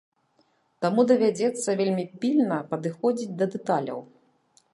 Таму давядзецца вельмі пільна падыходзіць да дэталяў.